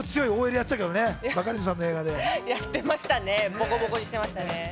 やってましたね、ボコボコにしてましたね。